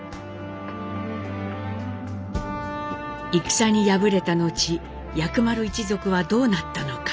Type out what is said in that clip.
戦に敗れた後薬丸一族はどうなったのか？